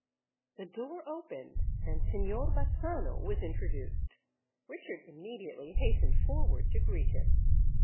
The door opened; and Signor Bazzano was introduced. Richard immediately hastened forward to greet him.